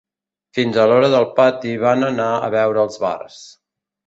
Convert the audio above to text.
Fins a l’hora del partit van anar a beure als bars.